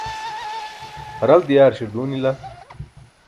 haralat diyaarśar duunila